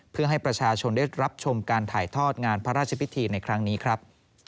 เพื่อให้ประชาชนได้รับชมการถ่ายทอดงานพระราชพิธีในครั้งนี้ครับ